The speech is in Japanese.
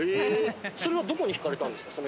それのどこに惹かれたんです